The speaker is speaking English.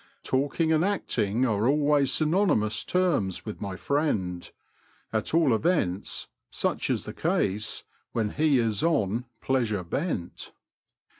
Talking and acting are always synonymous terms with my friend — at all events, such is the case when he is on pleasure bent.